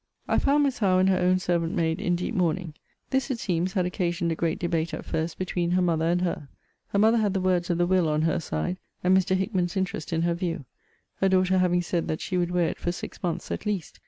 I found Miss Howe and her own servant maid in deep mourning. This, it seems, had occasioned a great debate at first between her mother and her. Her mother had the words of the will on her side; and Mr. Hickman's interest in her view; her daughter having said that she would wear it for six months at least.